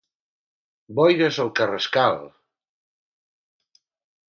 Boires al Carrascal!